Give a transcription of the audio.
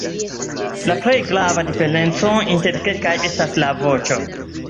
La plej grava diferenco inter kelkaj estas la voĉo.